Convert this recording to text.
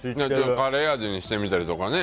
カレー味にしてみたりとかね。